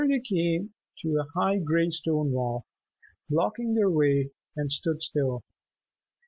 There they came to a high gray stone wall, blocking their way, and stood still.